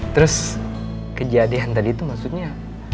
terus kejadian tadi itu maksudnya